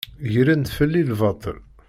Gren-d fell-i lbaṭel.